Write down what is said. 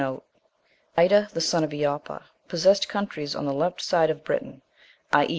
Ida, the son of Eoppa, possessed countries on the left hand side of Britain, i.e.